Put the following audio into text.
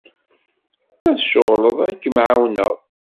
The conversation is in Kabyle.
Ma tceɣleḍ, ad kem-εawneɣ.